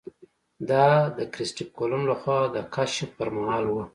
دا د کرسټېف کولمب له خوا د کشف پر مهال وه.